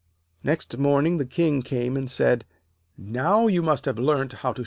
Next morning the King came and said: 'Now you must have learnt how to shudder.'